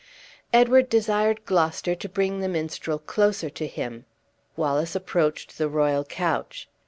Edward desired Gloucester to bring the minstrel closer to him. Wallace approached the royal couch.